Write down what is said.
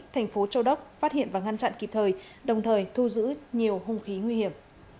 thành phố châu đốc phát hiện và ngăn chặn kịp thời đồng thời thu giữ nhiều hung khí nguy hiểm